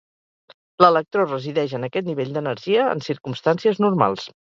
L'electró resideix en aquest nivell d'energia en circumstàncies normals.